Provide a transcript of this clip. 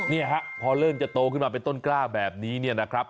นี่ครับพอเริ่มจะโตขึ้นมาเป็นต้นกล้าแบบนี้นะครับ